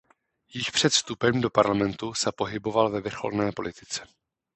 Již před vstupem do parlamentu se pohyboval ve vrcholné politice.